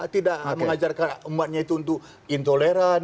tidak mengajarkan umatnya itu untuk intoleran